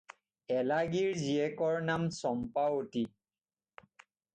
এলাগীৰ জীয়েকৰ নাম চম্পাৱতী।